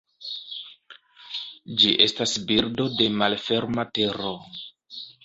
Ĝi estas birdo de malferma tero.